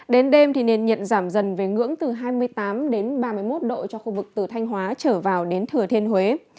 đến đêm thì nền nhiệt giảm dần về ngưỡng từ hai mươi tám đến ba mươi một độ cho khu vực từ thanh hóa trở vào đến thừa thiên huế